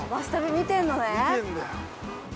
見てんだよ。